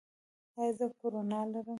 ایا زه کرونا لرم؟